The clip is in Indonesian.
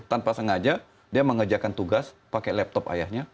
dia sengaja dia mengejarkan tugas pakai laptop ayahnya